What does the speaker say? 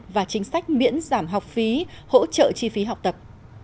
và chính sách miễn giảm học phí hỗ trợ chi phí học tập